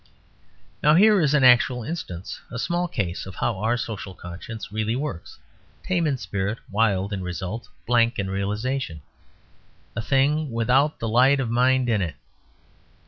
Now here is an actual instance, a small case of how our social conscience really works: tame in spirit, wild in result, blank in realisation; a thing without the light of mind in it.